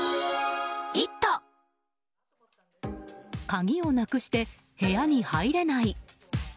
鍵をなくして、部屋に入れない。